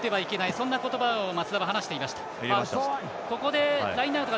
そんな言葉を松田は話していました。